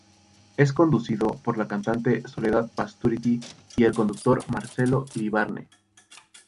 Es conducido por la cantante Soledad Pastorutti y el conductor Marcelo Iribarne.